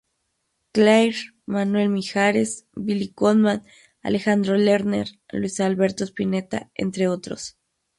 Clair, Manuel Mijares, Billy Cobham, Alejandro Lerner, Luis Alberto Spinetta, entre otros.